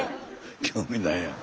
興味ないやん。